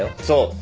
そう。